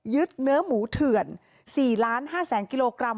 เนื้อหมูเถื่อน๔๕๐๐๐กิโลกรัม